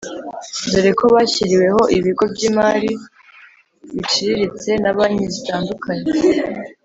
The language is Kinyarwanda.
dore ko bashyiriweho ibigo by’imari biciriritse na banki zitandukanye